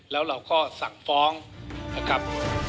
แล้วเราก็สั่งฟ้องนะครับ